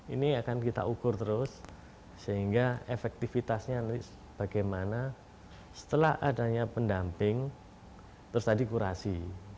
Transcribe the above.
ini akan kita ukur terus sehingga efektivitasnya nanti bagaimana setelah adanya pendamping terus tadi kurasi